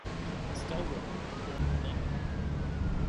Stallworthy was born in London.